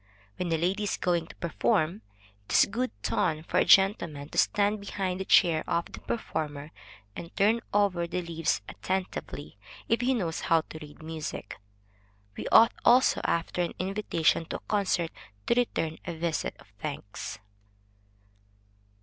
When a lady is going to perform, it is good ton for a gentleman to stand behind the chair of the performer, and turn over the leaves attentively, if he knows how to read music. We ought also after an invitation to a concert, to return a visit of thanks.